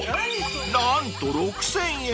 ［何と６，０００円！